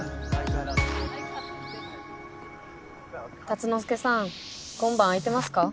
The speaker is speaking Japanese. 竜之介さん今晩空いてますか？